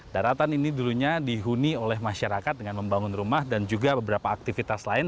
daratan ini dulunya dihuni oleh masyarakat dengan membangun rumah dan juga beberapa aktivitas lain